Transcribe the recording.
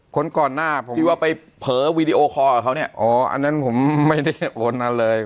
ก่อนหน้าผมที่ว่าไปเผลอวีดีโอคอร์กับเขาเนี่ยอ๋ออันนั้นผมไม่ได้โอนอะไรเลย